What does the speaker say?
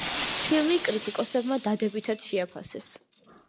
ფილმი კრიტიკოსებმა დადებითად შეაფასეს.